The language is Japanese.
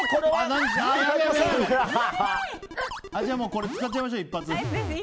これ、使っちゃいましょう一発。